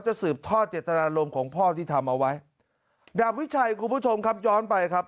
สืบทอดเจตนารมณ์ของพ่อที่ทำเอาไว้ดาบวิชัยคุณผู้ชมครับย้อนไปครับ